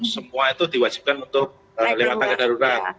semua itu diwajibkan untuk lewat tangga darurat